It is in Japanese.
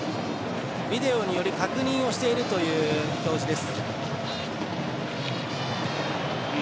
ビデオによる確認をしているという表示です。